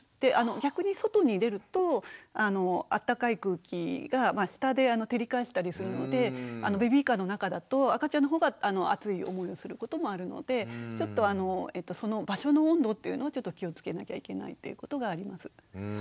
逆に外に出るとあったかい空気が下で照り返したりするのでベビーカーの中だと赤ちゃんの方が暑い思いをすることもあるのでちょっとその場所の温度っていうのを気をつけなきゃいけないっていうことがあります。